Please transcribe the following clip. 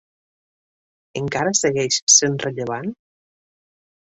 Encara segueix sent rellevant?